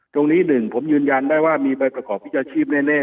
หนึ่งผมยืนยันได้ว่ามีใบประกอบวิชาชีพแน่